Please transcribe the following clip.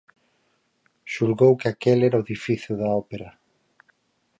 Xulgou que aquel era o edificio da Ópera.